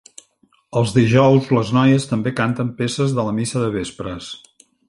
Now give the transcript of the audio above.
Els dijous, les noies també canten peces de la missa de vespres.